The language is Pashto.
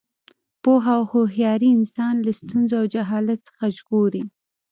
پوهه او هوښیاري انسان له ستونزو او جهالت څخه ژغوري.